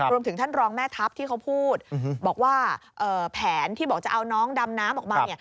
ท่านรองแม่ทัพที่เขาพูดบอกว่าแผนที่บอกจะเอาน้องดำน้ำออกมาเนี่ย